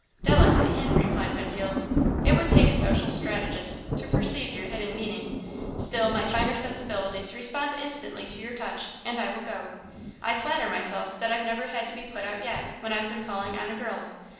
"Delicate hint," replied Winfield. "It would take a social strategist to perceive your hidden meaning. Still, my finer sensibilities respond instantly to your touch, and I will go. I flatter myself that I've never had to be put out yet, when I've been calling on a girl.